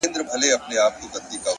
نیکي د انسان نوم ژوندی ساتي!